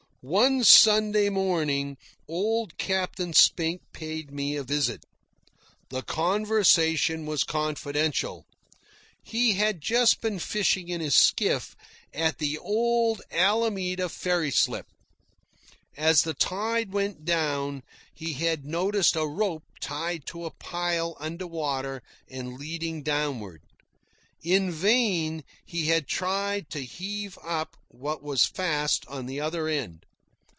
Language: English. One Sunday morning old Captain Spink paid me a visit. The conversation was confidential. He had just been fishing in his skiff in the old Alameda ferry slip. As the tide went down, he had noticed a rope tied to a pile under water and leading downward. In vain he had tried to heave up what was fast on the other end.